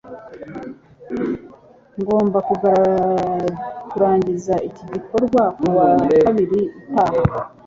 Ngomba kurangiza iki gikorwa kuwa kabiri utaha